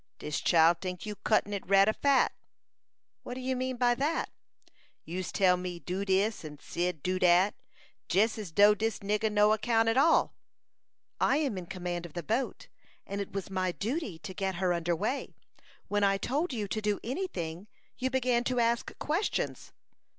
"Dis chile tink you cutting it rader fat." "What do you mean by that?" "You'se tell me do dis, and, Cyd, do dat, jes as dough dis nigger no account at all." "I am in command of the boat; and it was my duty to get her under way. When I told you to do any thing, you began to ask questions."